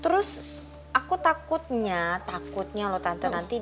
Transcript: terus aku takutnya takutnya loh tante nanti